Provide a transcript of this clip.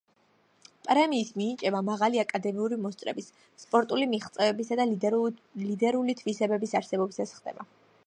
პრემიის მინიჭება მაღალი აკადემიური მოსწრების, სპორტული მიღწევებისა და ლიდერული თვისებების არსებობისას ხდება.